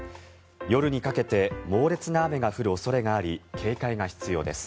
夜にかけて猛烈な雨が降る恐れがあり警戒が必要です。